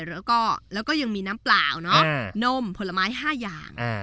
แล้วก็แล้วก็ยังมีน้ำเปล่าเนอะอ่านมผลไม้ห้าอย่างอ่า